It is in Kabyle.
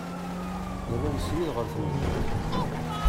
Rran srid ɣer temdint.